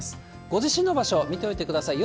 ご自身の場所、見といてください。